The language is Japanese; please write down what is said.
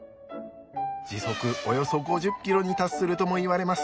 時速およそ５０ｋｍに達するともいわれます。